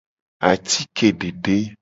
Atike dede.